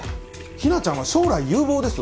日名ちゃんは将来有望です。